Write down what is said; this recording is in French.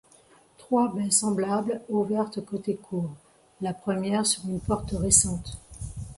Trois baies semblables ouvertes côté cour, la première sur une porte récente.